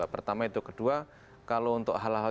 pertama itu kedua kalau untuk hal hal